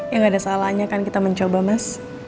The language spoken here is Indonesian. ya gak ada salahnya kan kita mencoba mas